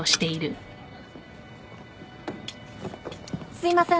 すいません。